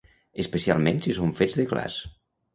Especialment si són fets de glaç.